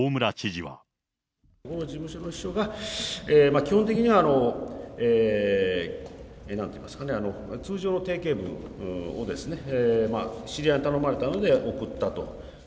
事務所の秘書が、基本的にはなんて言いますかね、通常の定型文を知り合いに頼まれたので送ったと。